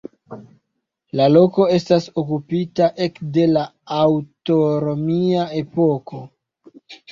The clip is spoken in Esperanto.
La loko estas okupita ekde la antaŭromia epoko.